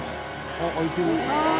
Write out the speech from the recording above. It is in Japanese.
「あっ開いてる」